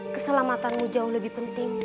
keselamatanmu jauh lebih penting